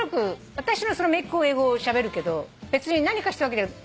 私のめいっ子英語をしゃべるけど別に何かしたわけでは。